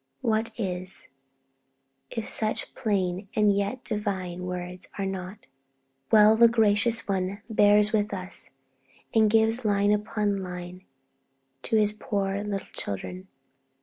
What is, if such plain and yet divine words are not? Well, the Gracious One bears with us, and gives line upon line to His poor little children.